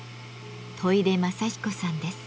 戸出雅彦さんです。